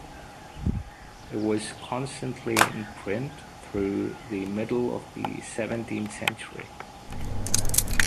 It was constantly in print through the middle of the seventeenth century.